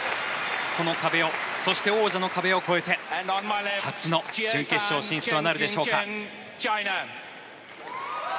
この壁をそして王者の壁を越えて初の準決勝進出はなるでしょうか。